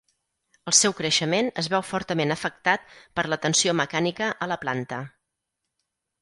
El seu creixement es veu fortament afectat per la tensió mecànica a la planta.